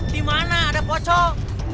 di mana ada pocok